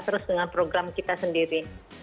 terus dengan program kita sendiri